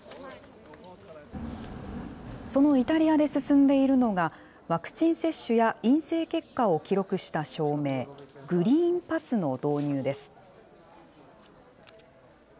そのイタリアで進んでいるのが、ワクチン接種や陰性結果を記録した証明、グリーンパスの導入です。